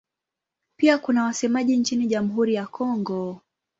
Pia kuna wasemaji nchini Jamhuri ya Kongo.